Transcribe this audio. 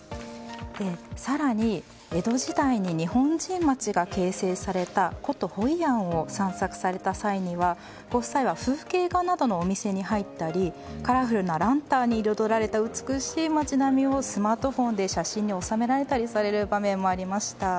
更に、江戸時代に日本人町が形成された古都ホイアンを散策された際にはご夫妻は風景画などのお店に入ったりカラフルなランタンに彩られた美しい街並みをスマートフォンで写真に収められたりする場面もありました。